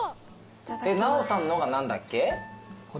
奈緒さんのが何だっけ？